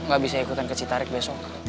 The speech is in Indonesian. gak bisa ikutan ke citarik besok